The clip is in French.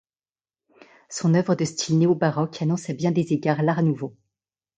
Son œuvre de style néobaroque annonce à bien des égards l’Art nouveau.